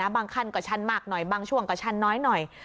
ขั้นก็ชันมากหน่อยบางช่วงก็ชันน้อยหน่อย